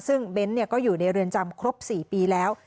ซึ่งเบ้นก็อยู่ในเรือนจำครบ๔ปีแล้ว